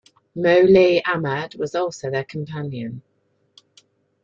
Moulai Ahmed was also their companion.